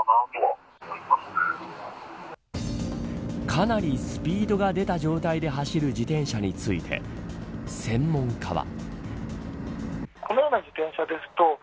かなりスピードが出た状態で走る自転車について専門家は。